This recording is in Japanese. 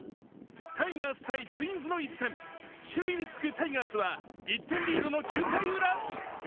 タイガース×ツインズの一戦、守備につくタイガースは１点リードの９回ウラ。